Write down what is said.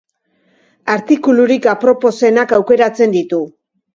Artikulurik aproposenak aukeratzen ditu.